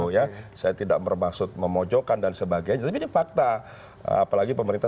oke kayak ajuan kami adalah undang undang bahwa undang undang mengatakan seperti itu